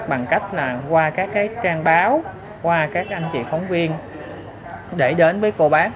bằng cách là qua các trang báo qua các anh chị phóng viên để đến với cô bác